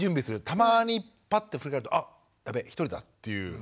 たまにパッと振り返ると「あっやべ一人だ」っていう。